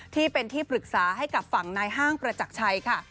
ที่เป็นที่ปรึกษาให้กับฝั่งนายห้างประจักรชัยค่ะ